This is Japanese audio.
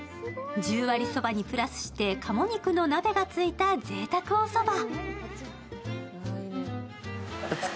十割そばにプラスしてかも肉の鍋がついたぜいたくおそば。